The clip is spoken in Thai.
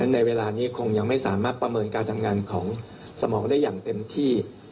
ในเวลานี้คงยังไม่สามารถประเมินการทำงานของสมองได้อย่างเต็มที่